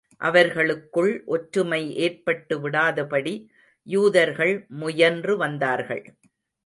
அவர்களுக்குள் ஒற்றுமை ஏற்பட்டு விடாதபடி, யூதர்கள் முயன்று வந்தார்கள்.